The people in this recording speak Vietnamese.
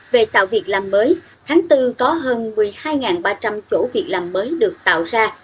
về tạo việc làm mới tháng bốn có hơn một mươi hai ba trăm linh chỗ việc làm mới được tạo ra